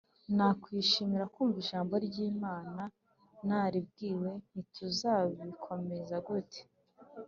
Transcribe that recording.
nakwishimira kumva Ijambo ry Imana Naribwiye nti tuzabikomeza gute